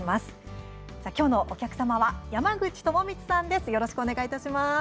きょうのお客様は山口智充さんです。